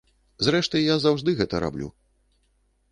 Зрэшты я заўжды гэта раблю.